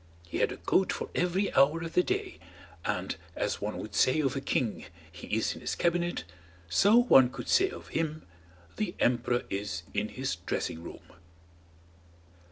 He had a coat for every hour of the day; and as one would say of a king "He is in his cabinet," so one could say of him, "The emperor is in his dressing room."